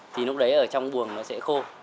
thì lúc đấy ở trong buồng nó sẽ khô